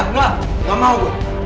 enggak enggak mau gue